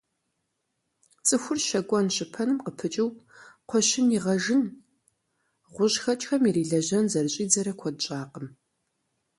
ЦӀыхур щэкӀуэн-щыпэным къыпыкӀыу, кхъуэщын игъэжын, гъущӀхэкӀхэм ирилэжьэн зэрыщӀидзэрэ куэд щӀакъым.